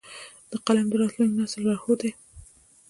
قلم د راتلونکي نسل لارښود دی